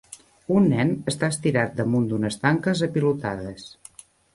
Un nen està estirat damunt d'unes tanques apilotades.